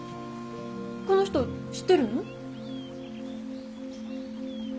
この人知ってるの？